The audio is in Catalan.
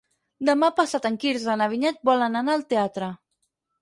Demà passat en Quirze i na Vinyet volen anar al teatre.